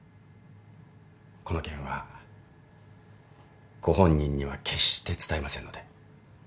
この件はご本人には決して伝えませんので。